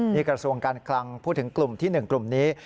นี่กระทรวงการคลังพูดถึงกลุ่มที่๑กลุ่มนี้